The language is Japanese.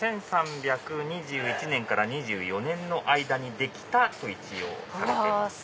１３２１年から１３２４年の間にできたとされています。